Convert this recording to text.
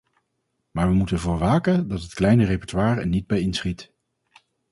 Maar we moeten ervoor waken dat het kleine repertoire er niet bij inschiet.